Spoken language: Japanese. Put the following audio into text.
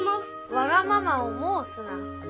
わがままを申すな。